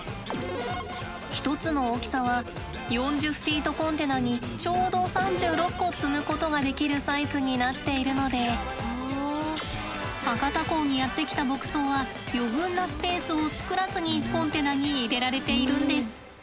一つの大きさは４０ｆｔコンテナにちょうど３６個積むことができるサイズになっているので博多港にやって来た牧草は余分なスペースを作らずにコンテナに入れられているんです。